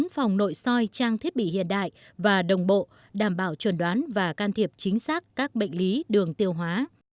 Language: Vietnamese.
bốn phòng nội soi trang thiết bị hiện đại và đồng bộ đảm bảo chuẩn đoán và can thiệp chính xác các bệnh lý đường tiêu hóa